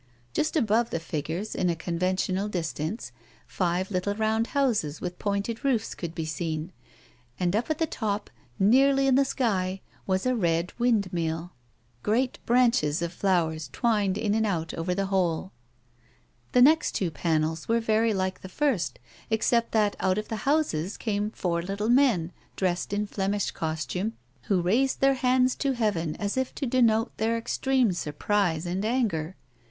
Just above the figures, in a conventional distance, five little round houses with pointed roofs could be seen, and up at the top, nearly in the sky, was a red wind mill. Griat branches of flowers twined in and out over the whole. The next two panels were very like the first, except that out of the houses came four little men, dressed in Flemish costume, who raised their hands to heaven as if to denote their extreme surprise and anger.